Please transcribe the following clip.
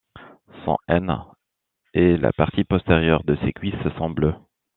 Son aine et la partie postérieure de ses cuisses sont bleues.